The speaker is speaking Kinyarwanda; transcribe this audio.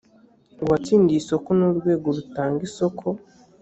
uwatsindiye isoko n urwego rutanga isoko